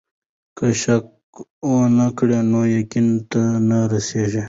که شک ونه کړې نو يقين ته نه رسېږې.